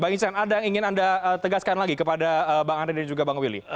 bang ican ada yang ingin anda tegaskan lagi kepada bang andre dan juga bang willy